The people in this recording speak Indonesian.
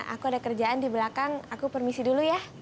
aku ada kerjaan di belakang aku permisi dulu ya